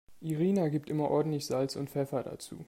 Irina gibt immer ordentlich Salz und Pfeffer dazu.